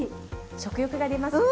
食欲が出ますよね。